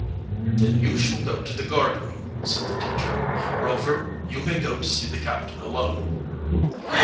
"Then you shall go to the guardroom," said the teacher. "Rover, you may go to see the captain alone."